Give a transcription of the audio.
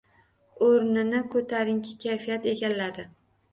O’rnini koʻtarinki kayfiyat egallardi.